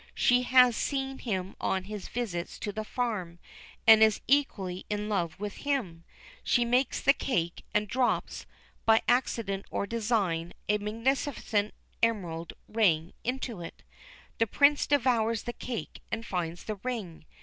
She has seen him on his visits to the farm, and is equally in love with him. She makes the cake, and drops, by accident or design, a magnificent emerald ring into it. The Prince devours the cake, and finds the ring.